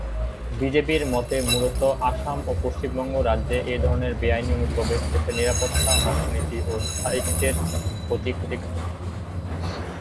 বিজেপির মতে মূলত অসম ও পশ্চিমবঙ্গ রাজ্যে এই ধরনের বেআইনি অনুপ্রবেশ দেশের নিরাপত্তা, অর্থনীতি ও স্থায়িত্বের প্রতি ক্ষতিকারক।